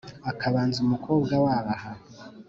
akabanza umukobwa w abaha